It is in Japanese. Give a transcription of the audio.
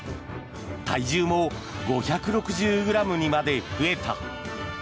体重も５６０ｇにまで増えた。